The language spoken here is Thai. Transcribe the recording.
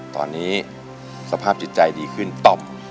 ตอนนี้สภาพจิตใจดีขึ้นต่อม